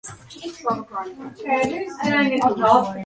He is interred with his wife in the Mount Royal Cemetery in Montreal.